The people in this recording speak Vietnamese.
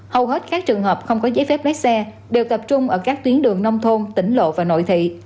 hầu hết các trường hợp không có giấy phép lái xe đều tập trung ở các tuyến đường nông thôn tỉnh lộ và nội thị